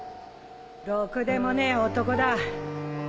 ろくでもねえ男だ